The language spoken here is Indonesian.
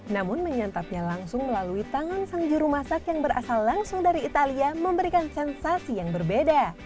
namun menyantapnya langsung melalui tangan sang juru masak yang berasal langsung dari italia memberikan sensasi yang berbeda